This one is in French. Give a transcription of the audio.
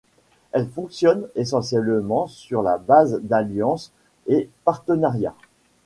Elle fonctionne essentiellement sur la base d’alliances et partenariats.